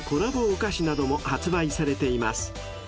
お菓子なども発売されています］